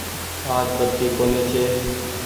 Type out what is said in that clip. آج بتي ڪونيٚ ڇي۔